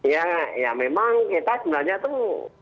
ya ya memang kita sebenarnya tuh